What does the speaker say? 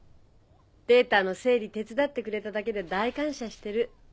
データの整理手伝ってくれただけで大感謝してる。